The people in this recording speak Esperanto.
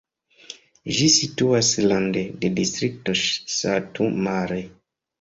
Ĝi situas rande de distrikto Satu Mare.